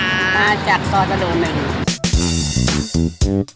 มาจากซอจรวรณ์หนึ่ง